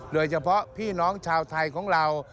โดยเฉพาะพี่น้องชาวไทยของเรา